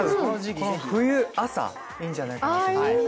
冬の朝、いいんじゃないかな。